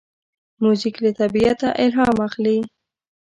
موزیک له طبیعته الهام اخلي.